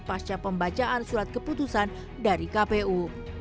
pasca pembacaan surat keputusan dari kpu